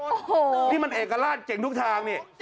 โอ้โหนี่มันเอกราชเก่งทุกทางนี่